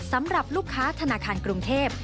สำหรับลูกค้าธนาคารกรุงเทพ